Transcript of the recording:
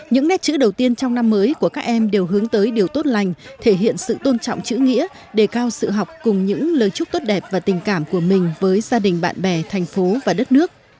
những nét chữ đầu tiên trong năm mới của các em đều hướng tới điều tốt lành thể hiện sự tôn trọng chữ nghĩa đề cao sự học cùng những lời chúc tốt đẹp và tình cảm của mình với gia đình bạn bè thành phố và đất nước